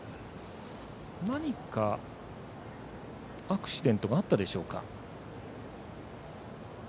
何かアクシデントがあったでしょうか。